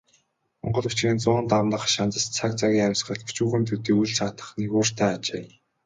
Монгол бичгийн зуун дамнах шандас цаг цагийн амьсгалд өчүүхэн төдий үл саатах нигууртай ажээ.